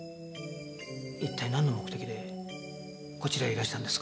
一体なんの目的でこちらへいらしたんですか？